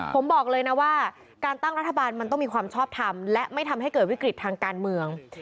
ผมบอกเลยนะว่าการตั้งรัฐบาลมันต้องมีความชอบทำและไม่ทำให้เกิดวิกฤตทางการเมือง